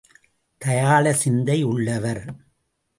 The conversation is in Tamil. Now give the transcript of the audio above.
தயாள சிந்தை உள்ளவர்.